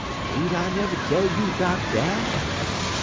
Ain't I never tell you 'bout dat?